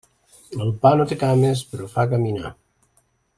El pa no té cames, però fa caminar.